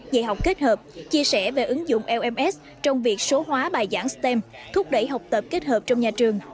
dạy học kết hợp chia sẻ về ứng dụng lms trong việc số hóa bài giảng stem thúc đẩy học tập kết hợp trong nhà trường